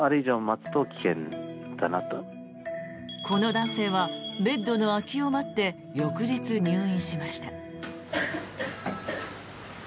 この男性はベッドの空きを待って翌日、入院しました。